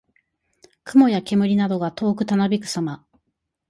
雲や煙などが遠くたなびくさま。